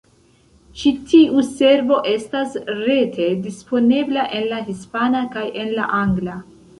Ĉi tiu servo estas rete disponebla en la hispana kaj en la angla.